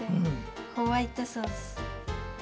ホワイトソース。